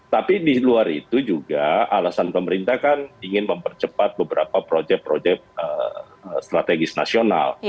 tapi di luar itu juga alasan pemerintah kan ingin mempercepat beberapa proyek proyek strategis nasional